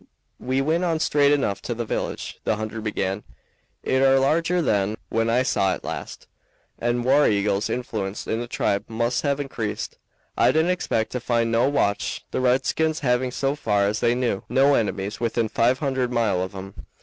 "We went on straight enough to the village," the hunter began. "It are larger than when I saw it last, and War Eagle's influence in the tribe must have increased. I didn't expect to find no watch, the redskins having, so far as they knew, no enemies within five hundred mile of 'em.